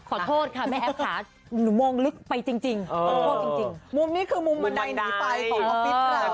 ขอโทษค่ะแม่แอปค่ะหนูมงลึกไปจริงมุมนี้คือมุมมันใดหนีไปของออฟฟิศครับ